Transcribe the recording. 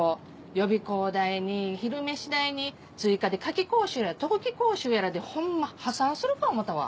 予備校代に昼飯代に追加で夏期講習やら冬期講習やらでホンマ破産するか思うたわ。